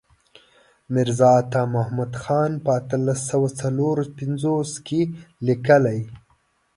میرزا عطا محمد خان په اتلس سوه څلور پنځوس کې لیکلی.